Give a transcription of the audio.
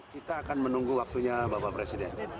kita akan menunggu waktunya bapak presiden